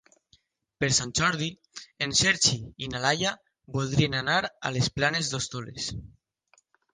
Per Sant Jordi en Sergi i na Laia voldrien anar a les Planes d'Hostoles.